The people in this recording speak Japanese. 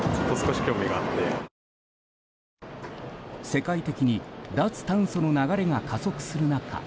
世界的に脱炭素の流れが加速する中